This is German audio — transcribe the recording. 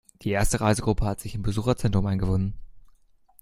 Die erste Reisegruppe hat sich im Besucherzentrum eingefunden.